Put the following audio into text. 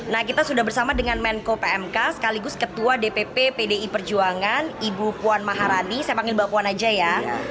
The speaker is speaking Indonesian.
nah kita sudah bersama dengan menko pmk sekaligus ketua dpp pdi perjuangan ibu puan maharani saya panggil mbak puan aja ya